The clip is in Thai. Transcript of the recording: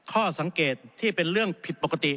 มีข้อพิรุธข้อสังเกตที่เป็นเรื่องผิดปกติ